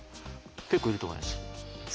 結構いると思います。